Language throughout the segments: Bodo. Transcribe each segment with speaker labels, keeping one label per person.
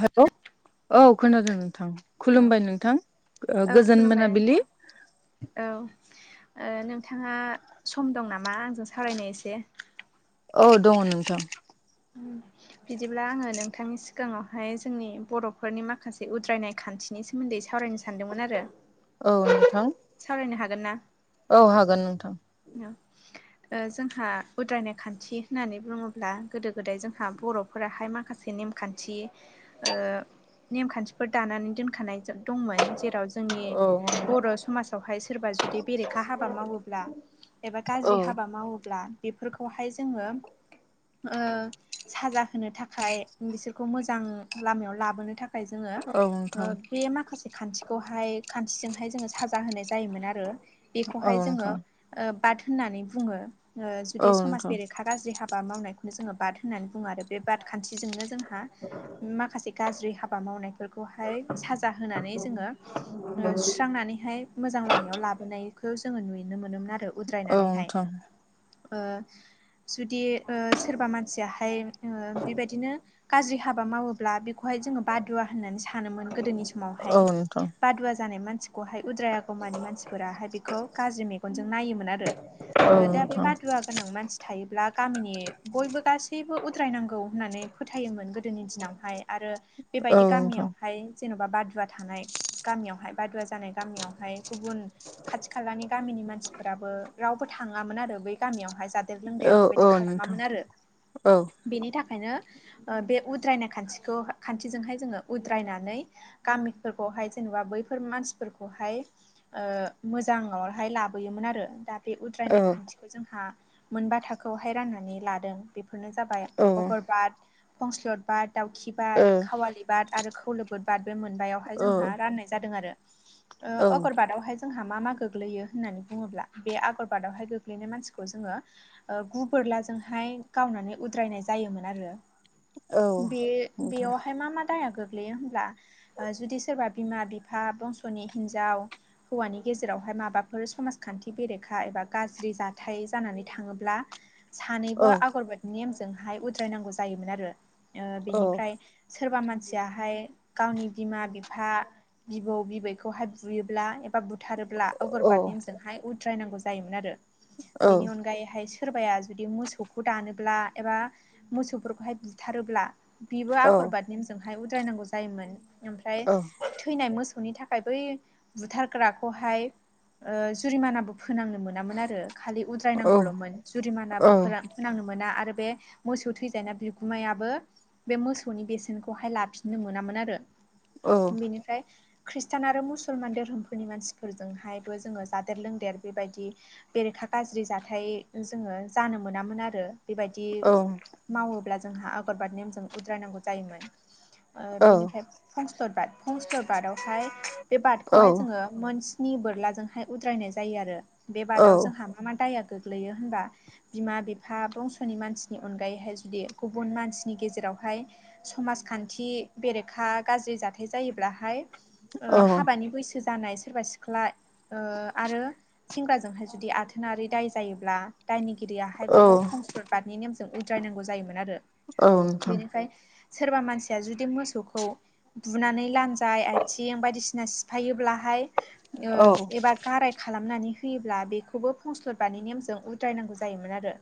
Speaker 1: हेल' औ खोनादों नोंथां
Speaker 2: औ
Speaker 1: खुलुमबाय नोंथां ओ
Speaker 2: औ
Speaker 1: गोजोन
Speaker 2: खुलुमबाय
Speaker 1: मोनाबिलि।
Speaker 2: नोंथां औ। ओ‌ नोंथाङा सम दं नामा आंजों सावरायनो एसे?
Speaker 1: औ दङ नोंथां।
Speaker 2: बिदिब्ला आङो नोंथांनि सिगाङावहाय जोंनि बर'फोरनि माखासे उद्रायनाय खान्थिनि सोमोन्दै सावरायनो सानदोंमोन आरो
Speaker 1: औ नोंथां
Speaker 2: सावरायनो हागोन ना?
Speaker 1: औ हागोन नोंथां।
Speaker 2: नो ओ जोंहा उद्रायनाय खान्थि होननानै बुङोब्ला गोदो गोदाय जोंहा बरफ' फोराहाय माखासे नेमखान्थि ओ नेमखान्थिफोर दानानै दोनखानाय दंमोन जेराव जोंनि
Speaker 1: औ
Speaker 2: बर' स समाजावहाय सोरबा जुदि बेरेखा हाबा मावोब्ला एबा
Speaker 1: औ
Speaker 2: गाज्रि हाबा मावोब्ला बेफोरखौहाय जोङो ओ‌ साजा होनो थाखाय बिसोरखौ मोजां लामायाव लाबोनो थाख खाय जोङो
Speaker 1: औ नोंथां
Speaker 2: बे माखासे खान्थिखौहाय खान्थिजोंहाय जोङो साजा होनाय जायोमोन आरो
Speaker 1: औ
Speaker 2: बेखौहाय जोङो
Speaker 1: नोंथां
Speaker 2: ओ बाद होननानै बुङो। ओ जुदि
Speaker 1: औ
Speaker 2: समाज
Speaker 1: नोंथां
Speaker 2: बेरेखा गाज्रि हाबा मावनायखौनो जोङो बाद होननानै बुङो आरो बे बाद खान्थिजोंनो जोंह हा माखासे गाज्रि हाबा मावनाय ओखौहाय साजा होनानै जोङो ओ सुस्रांनानै थाय मोजां लामायाव लाबोनायखो जोङो नुनो मोनोमोन आरो
Speaker 1: औ
Speaker 2: उद्रायनानैहाय
Speaker 1: नोंथां
Speaker 2: ओ जुदि ओ सोरबा मानसियाहाय ओ बेबायदिनो गाज्रि हाबा मावोब्ला बेखौहाय जोङो बादुवा होननानै सानोमोन गोदोनि समावहाय
Speaker 1: औ नोंथां
Speaker 2: बादुवा जानाय मानसिखौहाय उद्राय आागौमानि मानसिफोराहाय बेखौ गाज्रि मेगनजों नायोमोन आरो
Speaker 1: औ
Speaker 2: ओ दा बे
Speaker 1: नोंथां
Speaker 2: बादुवा गोनां मानसि थायोब्ला गामिनि बयबो गासैबो उद द्रायनांगौ होननानै फोथायोमोन गोदोनि दिनावहाय आरो
Speaker 1: औ
Speaker 2: बेबायदि
Speaker 1: नोंथां
Speaker 2: गामियाव थाय जेन'बा बादुवा थानाय गामियावहाय बादुवा जानाय गामियावहाय गुबुन खाथि खालानि गामिनि मानसिफोराबो रावबो थाङामोन आरो बै गामियावहाय जाद देर लोंदेर
Speaker 1: औ
Speaker 2: बेबायदि
Speaker 1: औ नोंथां
Speaker 2: खालामामोन आरो
Speaker 1: औ
Speaker 2: बेनि थाखायनो ओ बे उद्रायनाय खान्थिखौ खान्थिजोंहाय जोङो उद्रायनानै गामिफोरखौहाय जेनेबा बैफोर मानसि फोरखौहाय ओ मोजांङावहाय लाबोयोमोन आरो दा बे
Speaker 1: औ ओ
Speaker 2: उद्रायनाय खान्थि जोंहा मोनबा थाखोआवहाय राननानै लादों बेफोरनो जाबाय अगरबाद फंस्लद बाद दाउखि
Speaker 1: औ
Speaker 2: बाद खावालि बाद आरो खौलोब बोद बाद बे मोनबायावहाय जोंहा रनाय जादों आरो
Speaker 1: औ
Speaker 2: ओ ओगोरबादावहाय ज जोंहा मा मा गोग्लैयो होननानै बुङोब्ला बे आगरबादावहाय गोग्लैनाय मानसिखौ जोङो ओ गु बोरलाजोंहाय गावनानै उद्रायनाय जायोमोन आरो
Speaker 1: औ
Speaker 2: बे
Speaker 1: नोंथां
Speaker 2: बेयावहाय मा मा दाया गोग्लैयो हब्ला ओ जुदि सोरबा बिमा बिफां बंस स'नि हिन्जाव हौवानि गेजेरावहाय माबाफोर समाजखान्थि बेरेखा एबा गाज्रि जाथाय जानानै थाङोब्ला
Speaker 1: औ
Speaker 2: सानैबो आगरबोद नि नेमजोंहाय उद्रायनांगौ जायोमोन आरो औ ओ
Speaker 1: औ
Speaker 2: बिनिफ्राय सोरबा मानसियाहाय गावनि बिमा बिफा बिबौ बिबै बेखौहाय बुयोब्ला एबा बुथारोब्ला
Speaker 1: औ
Speaker 2: अगरबाद नेमजोंहाय उद्रायनांगौ जायोमोन आरो।
Speaker 1: औ
Speaker 2: बेनि अनगायैहाय सोरबाया जुदि मोसौखौ दानोब्ला एबा मोसौफोरखौहाय बुथारोब्ला बिबो
Speaker 1: औ
Speaker 2: आगरबाद नेमजोंहाय उद्रायनांगौ जायोमोन ओमफ्राय थैनाय मोसौनि था खाय बै बुथारग्राखौहाय ओ जुरिमानाबो फोनांनो मोनामोन आरो खालि उद्रायनांगौल'मोन जुरिमानाबो [unintelligible] फोनांनो मोना आरो बे मोसौ थैजानाय बिगुमायाबो बे मोसौनि बेसेनखौहाय लाफिननो मोनामोन आरो बेनिफ्राय खृष्टान आरो मुसलमान धोरोमफोरनि मानसिफोरजोंहायबो जोङो जादेर लोंदेर बेबायदि बेरेखा गाज्रि जाथाय जोङो जानो मोनामोन आरो बेबायदि मावोब्ला जोंहा अगरबाद नेमजों उद्रायनांगौ जायोमोन। ओ बिनिफ्राय फंस्लद बाद, फंस्लद बादावहाय फाय बे
Speaker 1: औ
Speaker 2: बादखौहाय जोङो मोन स्नि बोरलाजोंहाय उद्रायनाय जायो आरो। बे
Speaker 1: औ
Speaker 2: बादाव जोंहा मा मा दाया गोग्लैयो होनबा बिमा बिफा बंस'नि मानसिनि अनगायैहाय जुदि गुबुन मानसिनि गेजेरावहाय समाजखान्थि बेरेखा गाज्रि जाथाय जायोब्लाहाय
Speaker 1: औ
Speaker 2: ओ हाबानि बैसो जानाय सोरबा सिख्ला ओ आरो सेंग्राजोंहाय जुदि आथोनारि दाय जायोब्ला दायनिगिरियाहाय बेखौ
Speaker 1: औ
Speaker 2: फंस्लद बादनि नेमजों उद्रायनांगौ जायोमोन आरो।
Speaker 1: औ नोंथां।
Speaker 2: ओमफाय सोरबा मानसिया जुदि मोसौखौ बुनानै लानजाय आय थिं बायदिसिना सिफायोब्लाहाय ओ
Speaker 1: औ
Speaker 2: एबार गाराय खालामनानै होयोब्ला बेखौबो फंस्लद बादनि नेमजों उद्रायनांगौ जायोमोन आरो।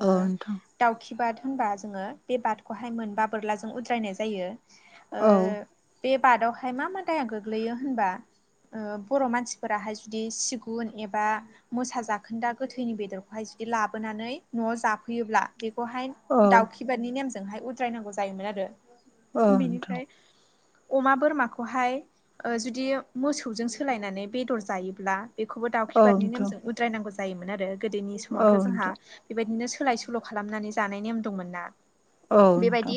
Speaker 2: ओ
Speaker 1: नोंथां
Speaker 2: दाउखिबाद होनबा जोङो बे बादखौहाय मोनबा बोरलाजों उद्रायनाय जायो। ओ
Speaker 1: औ
Speaker 2: बे बादावहाय मा मा दाया गोग्लैयो होनबा ओ बर' मानसिफोराहाय जुदि सिगुन एबा मोसा जाखोन्दा गोथैनि बेदरखौहाय जुदि लाबोनानै न'आव जाफैयोब्ला बेखौहाय
Speaker 1: औ
Speaker 2: दाउखिबादनि नेमजोंहाय उद्रायनांगौ जायोमोन आरो।
Speaker 1: औ नोंथां
Speaker 2: बिनिफ्राय अमा बोरमाखौहाय ओ जुदि मोसौजों सोलायनानै बेदर जायोब्ला बेखौबो
Speaker 1: औ
Speaker 2: दाउखिबादनि
Speaker 1: नोंथां
Speaker 2: नेमजों उद्रायनांगौ जायोमोन आरो गोदोनि
Speaker 1: औ
Speaker 2: समावथ' जोंहा
Speaker 1: नोंथां
Speaker 2: बेबायदिनो सोलाय सोल' खालामनानै जानाय नेम दंमोन ना।
Speaker 1: औ नोंथां
Speaker 2: बेबायदि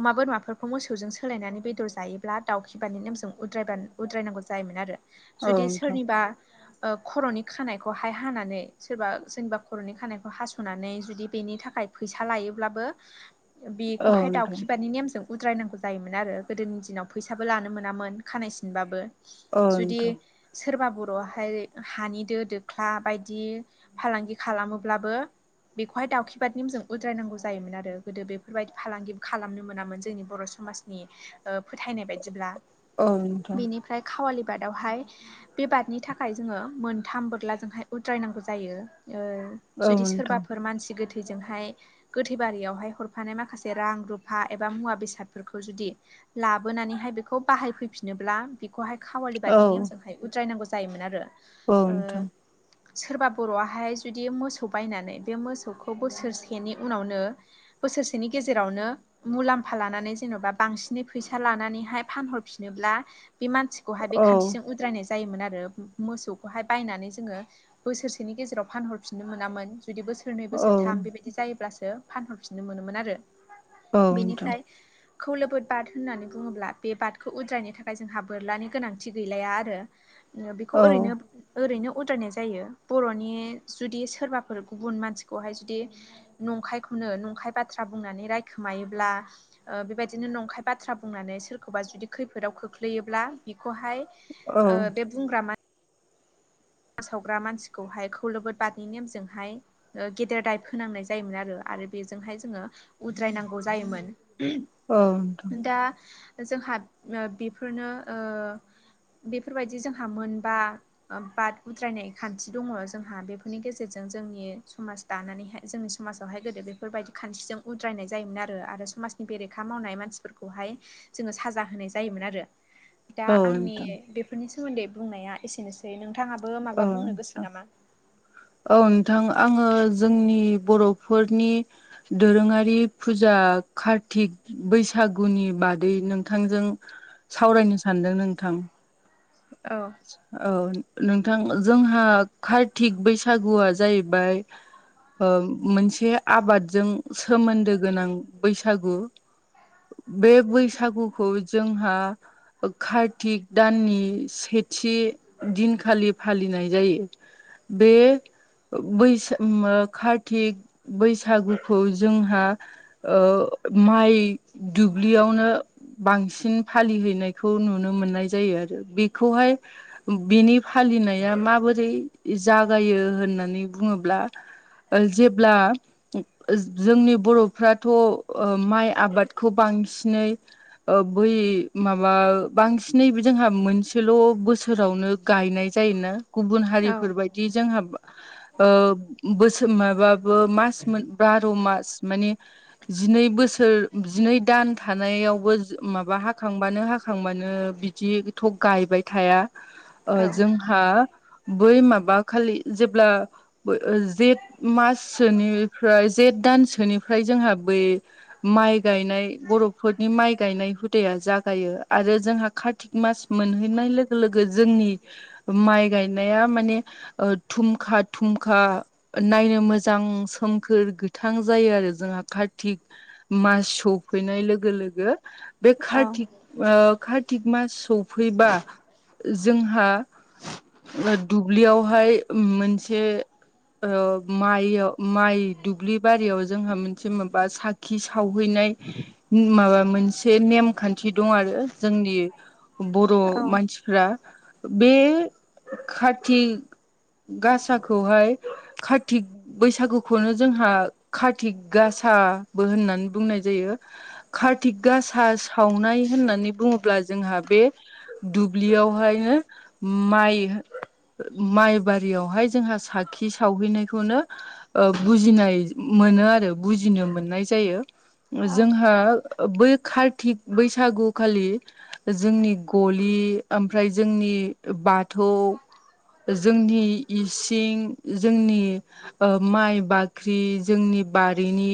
Speaker 2: अमा बोरमाफोरखौ मोसौजों सोलायनानै बेदर जायोब्ला दाउखिबादनि नेमजों उद्रायबानो उद्रायनांगौ जायोमोन आरो
Speaker 1: औ
Speaker 2: जुदि
Speaker 1: नोंथां
Speaker 2: सोरनिबा ओ खर'नि खानायखौहाय हानानै सोरबा सोरनिबा खर'नि खानायखौ हास'नानै जुदि बेनि थाखाय फैसा लायोब्लाबो बेखौहाय दाउखिबादनि नेमजों उद्रायनांगौ जायोमोन आरो गोदोनि दिनाव फैसाबो लानो मोनामोन। खानाय सिनबाबो
Speaker 1: औ
Speaker 2: जुदि
Speaker 1: नोंथां
Speaker 2: सोरबा बर'आहाय हानि दो दोख्ला बायदि फालांगि खालामोब्लाबो बेखौहाय दाउखिबाद नेमजों उद्रायनांगौ जायोमोन आरो गोदो बेफोरबायदि फालांगिबो खालामनो मोनामोन जोंनि बर' सु समाजनि ओ फोथायनाय बायदिब्ला।
Speaker 1: ओं
Speaker 2: बिनिफ्राय खावालि बादआवहाय बे बादनि थाखाय जोङो मोनथाम बोलारजोंहाय उद्रायनांगौ जायो ओ
Speaker 1: औ
Speaker 2: जुदि
Speaker 1: नोंथां
Speaker 2: सोरबाफोर मानसि गोथै गोथैजोंहाय गोथैबारियावहाय हरफानाय माखासे रां रुफा एबा मुवा बेसादफोरखौ जुदि लाबोनानैहाय बेखौ बाहायफैफिन नोब्ला बेखौहाय खावालि
Speaker 1: औ नोंथां औ
Speaker 2: बादनि नेमजोंहाय उद्रायनांगौ जायोमोन आरो
Speaker 1: औ
Speaker 2: ओ
Speaker 1: नोंथां
Speaker 2: सोरबा बर'आहाय जुदि मोसौ बायनानै बे मोसौखौ बोसोरसेनि उनावनो बोसोरसेनि गेजेरावनो मुलाम्फा लानानै जेन'बा बांसिनै फैसा लानानैहाय फानहरफिन नोब्ला मानसिखौहाय बे
Speaker 1: औ नोंथां औ नोंथां औ नोंथां
Speaker 2: खान्थिजों उद्रायनाय जायोमोन आरो मोसौखौहाय बायनानै जोङो बोसोरसेनि गेजेराव फानहरफिननो मोनामोन जुदि बो‌ सोरनै बोसोरथाम बेबायदि जायोब्लासो फानहरफिननो मोनोमोन आरो बेनिफ्राय खौलोबोद बाद होननानै बुङोब्ला बे बाद खौ उद्रायनो थाखाय जोंहा बोरलानि गोनांथि गैलाया आरो बेखौ ओरैनो ओरैनो उद्रायनाय जायो बर'नि जुदि सोरबाफोर गुबुन मानसिखौहाय जुदि नंखायखौनो नंखाय बाथ्रा बुंनानै रायखोमायोब्ला बेबायदिनो नंखाय बाथ्रा बुंनानै सोरखौबा जुदि खैफोदाव खोख्लैयोब्ला बिखौहाय बे बुंग्रा मा फोसावग्रा मानसिखौहाय खौलबोद बादनि नेमजोंहाय गेदेर दाय फोनांनाय जायोमोन आरो आरो बेजोंहाय जोङो उद्रायनांगौ जायोमोन दा जोंहा बेफोरनो बेफोरबायदि जोंहा मोनबा बाद उद्रायनाय खान्थि दङ जोंहा बेफोरनि गेजेरजों जोंनि समाज दानानैहाय जोंनि समाजावहाय गोदो बे फोरबायदि खान्थिजों उद्रायनाय जायोमोन आरो आरो समाजनि बेरेखा मावनाय मानसिफोरखौहाय जोङो साजा होनाय जायोमोन आरो दा आंनि बेफोरनि सोमोन्दै बुंनाया एसेनोसै नोंथाङा
Speaker 1: अ औ औ नोंथां आङो जोंनि बर'फोरनि दोरोङारि फुजा कार्तिक बैसागुनि बादै नोंथांजों सावरायनो सानदों नोंथां
Speaker 2: औ
Speaker 1: औ नोंथां जोंहा कार्तिक बैसागुआ जाहैबाय मोनसे आबादजों सोमोन्दो गोनां बैसागु बे बैसागुखौ जोंहा कार्तिक दाननि से थि दिनखालि फालिनाय जायो बैस कार्तिक बैसागुखौ जोंहा माइ दुब्लियावनो बांसिन फालिहैनायखौ नुनो मोननाय जायो आरो बेखौहाय बिनि फालिनाया माबोरै जागायो होननानै बुङोब्ला जेब्ला जोंनि बर'फ्राथ' माइ आबादखौ बांसिनै बै माबा माबा बांसिनै जोंहा मोनसेल' बोसोरावनो गायनाय जायोना गुबुन
Speaker 2: औ
Speaker 1: हारिफोरबायदि जोंहा बोसोर माबाबो मास मोन बार' मास मानि जिनै बोसोर जिनै दान थानायावबो माबा हाखांबानो हाखांबानो जिथ' गायबाय थाया
Speaker 2: औ
Speaker 1: जोंहा बै माबा खालि जेब्ला जेठ माससोनिफ्राय जेठ दानसोनिफ्राय जोंहा बै माइ गायनाय बर'फोरनि माइ गायनाय हुदाया जागायो आरो जोंहा कार्तिक मास मोनहैनाय लोगो लोगो जोंनि माइ गायनाया माने थुमखा थुमखा नायनो मोजां सोमखोर गोथां जायो आरो जोंहा कार्तिक मास सफैनाय लोगो लोगो बे
Speaker 2: औ
Speaker 1: कारतिक ओ कार्तिक मास सफैबा जोंहा ओ दुब्लियावहाय मोनसे ओ माइ माइ दुब्लि बारियाव जोंहा मोनसे माबा साखि सावहैनाय। माबा मोनसे नेमखान्थि दं आरो जोंनि। बर'
Speaker 2: औ
Speaker 1: मानसिफ्रा। बे कति गासाखौहाय कत बैसागुखौनो जोंहा कार्तिक गाासाबो होननानै बुंनाय जायो। कार्तिक गासा सावनाय होननानै बुङोब्ला जोंहा बे दुब्लियावहायनो माइ माइबारियावहाय जोंहा साखि सावहैनायखौनो ओ बुजिनाय मोनो आरो बुजिनो मोननाय जायो
Speaker 2: औ
Speaker 1: जोंहा बै कार्तिक बैसागु खालि जोंनि गलि ओमफ्राय जोंनि बाथौ जोंनि इसिं जोंनि ओ माइ बाख्रि जोंनि बारिनि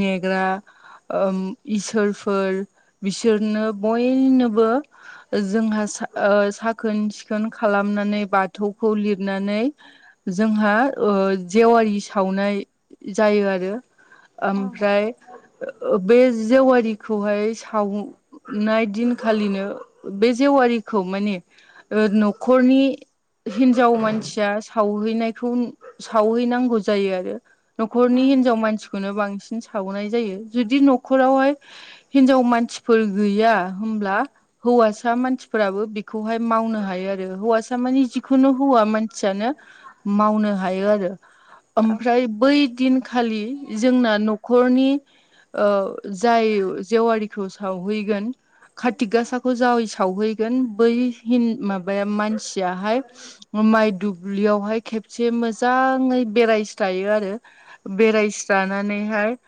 Speaker 1: नेग्रा ओम इसोरफोर बिसोरनो बयनोबो जोंहा सा ओ साखोन सिख खोन खालामनानै बाथौखौ लिरनानै जोंहा ओ जेवारि सावनाय जायो आरो
Speaker 2: औ
Speaker 1: ओमफ्राय ओ बे जेवारिखौहाय सावनाय दिन खालिनो बे जेवारिखौ माने ओ न'खरनि हिन्जाव मानसिया सावहैनायखौ सावहैनांगौ जायो आरो न'खरनि हिनजाव मानसि खौनो बांसिन सावनाय जायो जुदि न'खरावहाय हिनजाव मानसिफोर गैया होमब्ला हौवासा मानसिफोराबो बे बेखौहाय मावनो हायो आरो हौवासा मानि जिखुनु हौवा मानसियानो। मावनो हायो आरो
Speaker 2: औ
Speaker 1: ओमफ्राय बै दिन खालि जोंना न'खरनि ओ जाय जेवारिखौ सावहैगोन कार्तिक गासाखौ जाय सावहैगोन बै हिन‌ माबाया मानसियाहाय माइ दुब्लियावहाय खेबसे मोजाङै बेरायस्रायो आरो बेरायस्रानानैहाय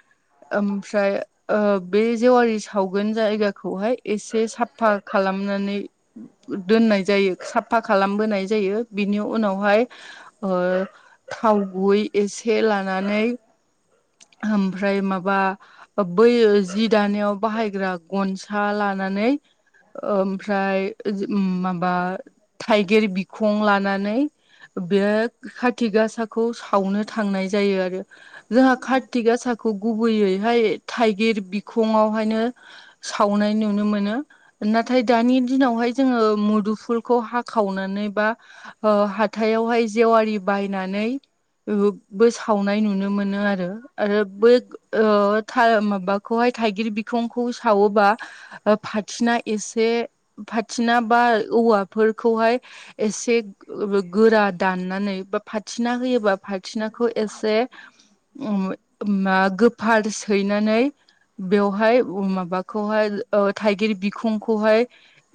Speaker 1: ओमफ्राय ओ बे जेवारि सावगोन जायगाखौहाय एसे साब फाल खालामनानै दोननाय जायो साफा खालामबोनाय जायो बिनि उनावहाय ओ थाव गुबै एसे लानानै ओमफ्राय माबा बै जि दानायाव बाहायग्रा गनसा लानानै ओमफ्राय माबा थाइगिर बि खं लानानै बे खाति गासाखौ सावनो थांनाय जायो आरो जोंहा खाति गासाखौ गुबैयैहाय थाइगिर बिखङावहायनो सावनाय नुनो मोनो। नाथाय दानि दिनावहाय जोङो मुदुफुलखौ हाखावनानै बा ओ हाथायावहाय जेवारि बायनानै बो सावनाय नुनो मोनो। आरो आरो बै ओ थाय माबाखौहाय थाइगिर बिखंखौ सावोबा ओ फाथिना एसे फाथिना बा औवा फोरखौहाय एसे गोरा दाननानै बा फथिना होयोबा फाथिनाखौ एसे उम मा गोफार सैनानै बेवहाय उ माबाखौहाय ओ थाइगिर बिखुंखौहाय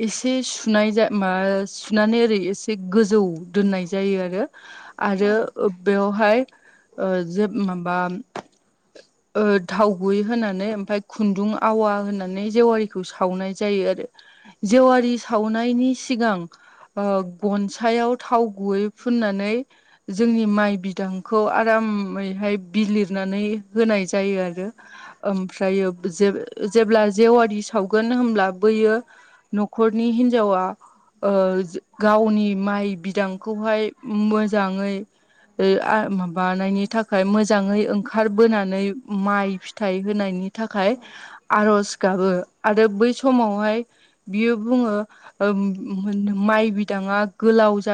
Speaker 1: एसे सुनाय जा मा सुनानै ओरै एसे गोजौ दोननाय जायो आरो
Speaker 2: औ
Speaker 1: आरो बेयावहाय ओ जे माबा
Speaker 2: [inaudible]
Speaker 1: ओ थाव गुबै होनानै ओमफ्राय खुन्दुं आवा होनानै जेवारिखौ सावनाय जायो आरो। जेवारि सावनायनि सिगां ओ गनसायाव थाव गुबै फुननानै जोंनि माइ बिदांखौ आरामै ओमफ्राय बिलिरनानै होनाय जायो आरो ओमफ्रायो जे जेब्ला जेवारि सावगोन होनब्ला बैयो न'खरनि हिनजावा ओ गावनि माइ बिदां खौहाय मोजाङै यै आ बानायनि थाख खाय मोजाङै ओंखारबोनानै माइ फिथाइ होनायनि थाखाय आर'ज गाबो आरो बै समावहाय बियो बुङो ओम माइ बिदाङा गोलाव जाथों